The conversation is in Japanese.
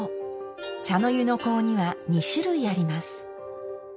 茶の湯の香には２種類あります。